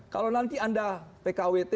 kalau nanti anda pkwt